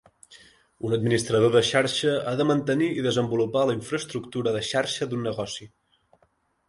Un administrador de xarxa ha de mantenir i desenvolupar la infraestructura de xarxa d'un negoci.